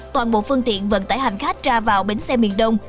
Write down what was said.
toàn bộ phương tiện vận tải hành khách ra vào bến xe miền đông